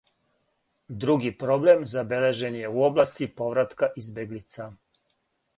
Други проблем забележен је у области повратка избеглица.